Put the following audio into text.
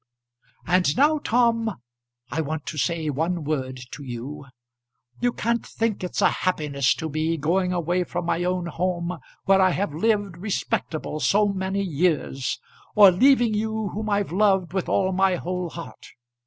And now, Tom, I want to say one word to you. You can't think it's a happiness to me going away from my own home where I have lived respectable so many years, or leaving you whom I've loved with all my whole heart.